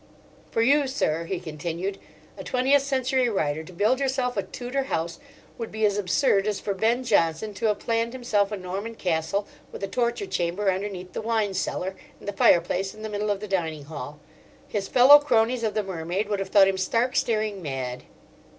"For you, sir," he continued, "a twentieth century writer, to build yourself a Tudor House would be as absurd as for Ben Jonson to have planned himself a Norman Castle with a torture chamber underneath the wine cellar, and the fireplace in the middle of the dining hall. His fellow cronies of the Mermaid would have thought him stark, staring mad."